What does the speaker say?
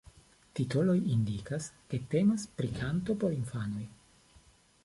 Titoloj indikas, ke temas pri kanto por infanoj.